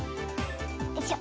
よいしょ。